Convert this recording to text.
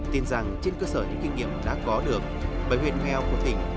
tin rằng trên cơ sở những kinh nghiệm đã có được bảy huyện nghèo của tỉnh